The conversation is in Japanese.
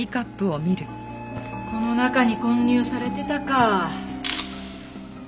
この中に混入されてたか。